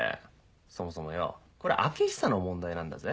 そもそもよこれ開久の問題なんだぜ。